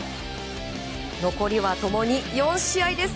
残りは共に４試合です。